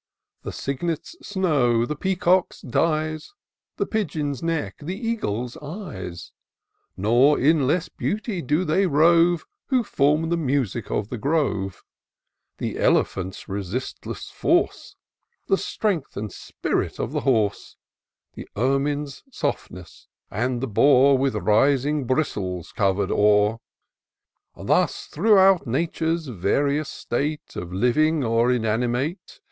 The cygnet's snow, the peacock's dyes. The pigeon's neck, the eagle's eyes ;( IN SEARCH OF THE PICTURESQUE. 259 Nor in less beauty do they rove, Who form the music of the grove The elephant's resistless force ; The strength and spirit of the horse ; The ermine's softness, and the boar, With rising bristles cover'd o'er. Thus, throughout Nature's various state, Of living or inanimate.